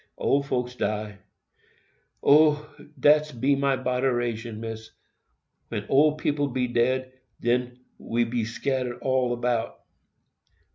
Ole folks die. O, dat's be my boderation, Missis,—when ole people be dead, den we be scattered all 'bout.